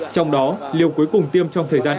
trong đó liều cuối cùng tiêm trong thời gian